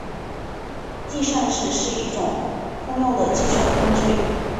计算尺是一种通用的计算工具。